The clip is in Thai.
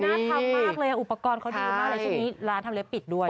หน้าทำมากเลยอุปกรณ์เค้าดูไม่ได้เลยฉันนี้ร้านทำเล็กปิดด้วย